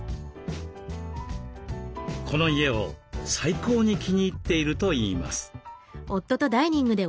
この家を最高に気に入っているといいます。